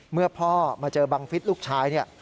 เมื่อพ่อมาเจอบังฟิศลูกชายเนี่ย